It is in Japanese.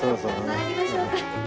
参りましょうか。